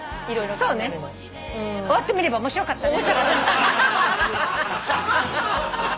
終わってみれば面白かったね。